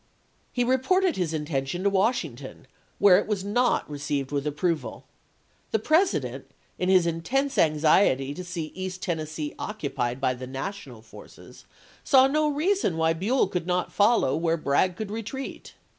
He reported his intention to Washington, where it was not received with approval. The President, in his intense anxiety to see East Tennessee oc 280 ABKAHAM LINCOLN ch. XIII. cupied by the national forces, saw no reason why Buell could not follow where Bragg could retreat.